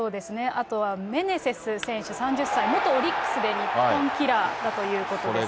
あとはメネセス選手３０歳、元オリックスで、日本キラーだということですね。